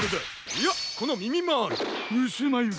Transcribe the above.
いやこのみみまーる！うすまゆが！